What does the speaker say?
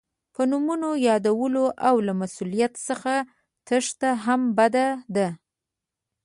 په نومونو یادول او له مسؤلیت څخه تېښته هم بده ده.